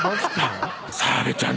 澤部ちゃん